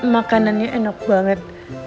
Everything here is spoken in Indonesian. makanannya enak banget